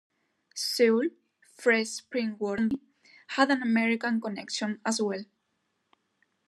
Seoul Fresh Spring Water Company had an American connection as well.